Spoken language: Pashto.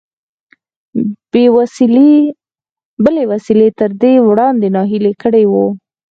بلې وسيلې تر دې وړاندې ناهيلی کړی و.